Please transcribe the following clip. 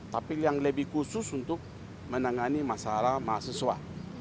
tapi yang lebih khusus untuk menangani masalah mahasiswa